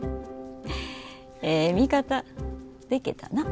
ええ味方でけたな。